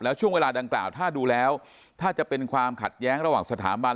ช่วงเวลาดังกล่าวถ้าดูแล้วถ้าจะเป็นความขัดแย้งระหว่างสถาบัน